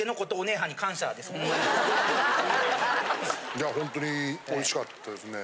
いやホントにおいしかったですね。